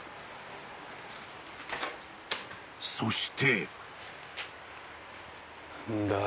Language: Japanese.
［そして］